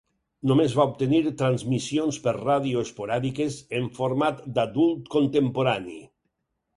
Només va obtenir transmissions per ràdio esporàdiques en format d'adult contemporani.